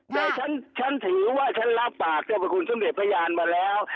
โดยฉันถือว่าฉันรับปากเจ้าพระคุณสมเด็จพระยานมาแล้ว